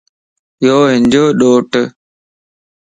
يو ھنجو ڏوٽ